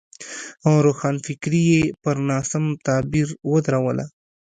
روښانفکري یې پر ناسم تعبیر ودروله.